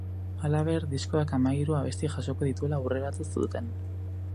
Halaber, diskoak hamahiru abesti jasoko dituela aurreratu zuten.